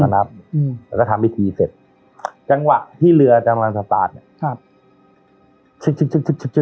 เราก็นับอืมแล้วก็ทำวิธีเสร็จจังหวะที่เรือจำลังสตาร์ทเนี้ย